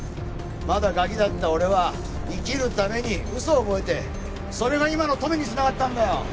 まだガキだった俺は生きるために嘘を覚えてそれが今の富に繋がったんだよ。